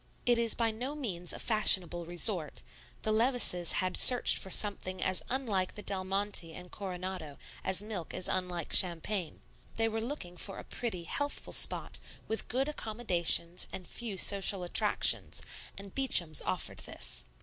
It is by no means a fashionable resort; the Levices had searched for something as unlike the Del Monte and Coronado as milk is unlike champagne. They were looking for a pretty, healthful spot, with good accommodations and few social attractions, and Beacham's offered this.